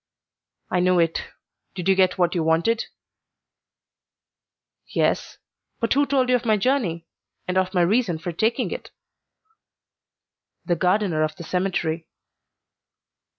"I knew it. Did you get what you wanted?" "Yes; but who told you of my journey, and of my reason for taking it?" "The gardener of the cemetery."